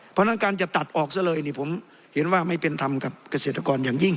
เพราะฉะนั้นการจะตัดออกซะเลยนี่ผมเห็นว่าไม่เป็นธรรมกับเกษตรกรอย่างยิ่ง